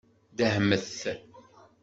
Dehmet.